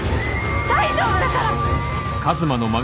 大丈夫だから！